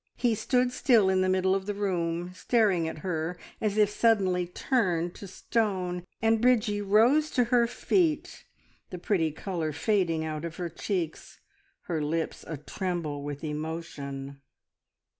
He stood still in the middle of the room, staring at her as if suddenly turned to stone, and Bridgie rose to her feet, the pretty colour fading out of her cheeks, her lips a tremble with emotion.